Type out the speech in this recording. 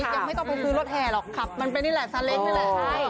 ยับไม่ต้องไปซื้อรถแหล่หรอกครับมันนี่เลยแสนเล็กนี่เลย